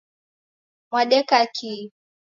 Mwadeka kii?